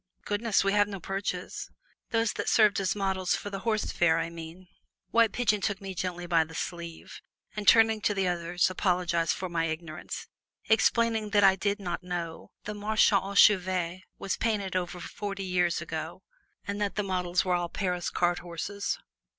"Goodness! we have no Perches." "Those that served as models for the 'Horse Fair,' I mean." White Pigeon took me gently by the sleeve, and turning to the others apologized for my ignorance, explaining that I did not know the "Marche aux Chevaux" was painted over forty years ago, and that the models were all Paris cart horses.